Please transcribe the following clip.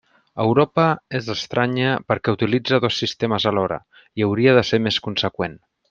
Europa és estranya perquè utilitza dos sistemes alhora, i hauria de ser més conseqüent.